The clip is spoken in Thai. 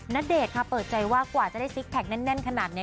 ณเดชน์ค่ะเปิดใจว่ากว่าจะได้ซิกแพคแน่นขนาดนี้